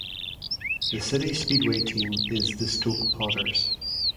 The city speedway team is the Stoke Potters.